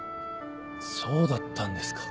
そうだったんですか。